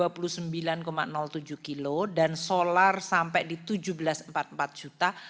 dua puluh sembilan tujuh kilo dan solar sampai di tujuh belas empat puluh empat juta